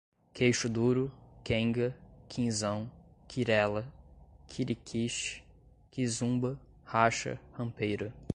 queixo duro, quenga, quinzão, quirela, quiriquixi, quizumba, racha, rampeira